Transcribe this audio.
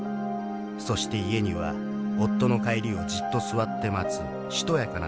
そして家には夫の帰りをじっと座って待つしとやかな妻がいた。